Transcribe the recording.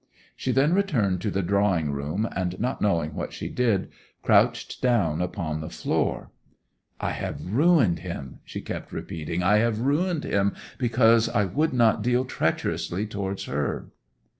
She then returned to the drawing room, and not knowing what she did, crouched down upon the floor. 'I have ruined him!' she kept repeating. 'I have ruined him; because I would not deal treacherously towards her!